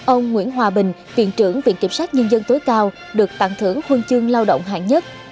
ông nguyễn hòa bình viện trưởng viện kiểm sát nhân dân tối cao được tặng thưởng huân chương lao động hạng nhất